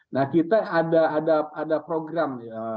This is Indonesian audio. nah kita ada program